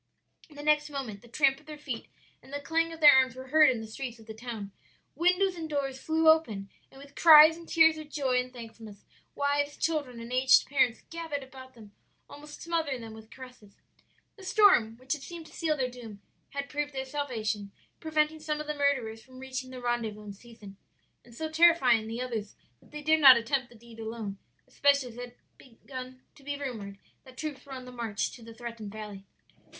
"The next moment the tramp of their feet and the clang of their arms were heard in the streets of the town. Windows and doors flew open and with cries and tears of joy and thankfulness, wives, children, and aged parents gathered about them almost smothering them with caresses. "The storm, which had seemed to seal their doom, had proved their salvation preventing some of the murderers from reaching the rendezvous in season, and so terrifying the others that they dared not attempt the deed alone; especially as it had already begun to be rumored that troops were on the march to the threatened valley.